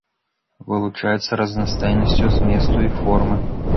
Вылучаецца разнастайнасцю зместу і формы.